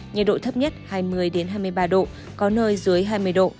nhiệt độ thấp nhất hai mươi hai mươi ba độ có nơi dưới hai mươi độ